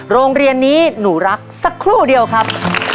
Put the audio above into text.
โรงเรียนนี้หนูรักสักครู่เดียวครับ